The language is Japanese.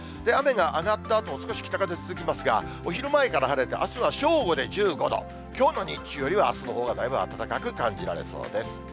雨が上がったあとも少し北風続きますが、お昼前から晴れて、あすは正午で１５度、きょうの日中よりはあすのほうがだいぶ暖かく感じられそうです。